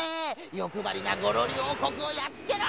よくばりなゴロリおうこくをやっつけろ！